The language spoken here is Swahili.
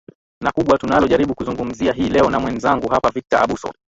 na kubwa tunalo jaribu kuzungumzia hii leo na mwenzangu hapa victor abuso